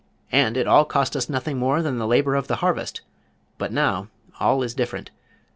And it all cost us nothing more than the labor of the harvest, but now, all is different.